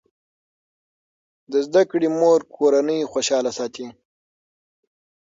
د زده کړې مور کورنۍ خوشاله ساتي.